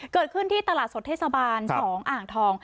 เกิดขึ้นที่ตลาดสดเทศบาล๒อ่างทอง